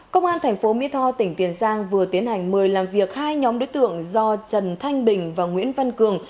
công an thành phố mỹ tho tỉnh tiền giang vừa tiến hành mời làm việc hai nhóm đối tượng do trần thanh bình và nguyễn văn cường